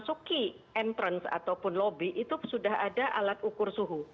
masuk key entrance ataupun lobby itu sudah ada alat ukur suhu